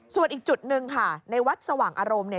ส่วนอีกจุดหนึ่งค่ะในวัดสว่างอารมณ์เนี่ย